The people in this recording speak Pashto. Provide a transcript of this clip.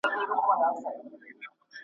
دومره مړه کي په ښارونو کي وګړي `